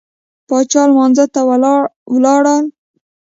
پاچا لمانځه ته ولاړل.